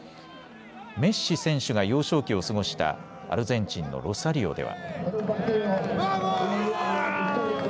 メッシ選手が幼少期を過ごしたアルゼンチンのロサリオでは。